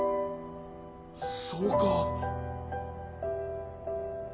そうか。